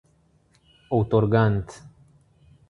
outorgante